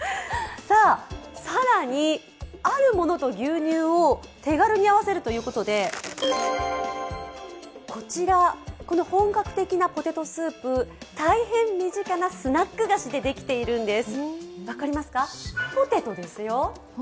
更に、あるものと牛乳を手軽に合わせるということでこの本格的なポテトスープ、大変身近なスナック菓子でできているんです。